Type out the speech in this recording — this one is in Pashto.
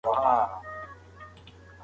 شمیر دومره لوړ شو چې سیند ډک شو.